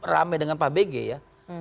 rame dengan pak bg ya